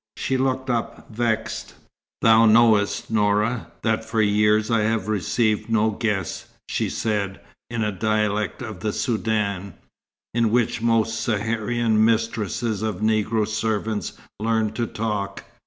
She looked up, vexed. "Thou knowest, Noura, that for years I have received no guests," she said, in a dialect of the Soudan, in which most Saharian mistresses of Negro servants learn to talk.